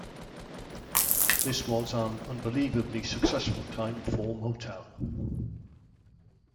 This was an unbelievably successful time for Motown.